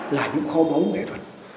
là những kho bấu nghệ thuật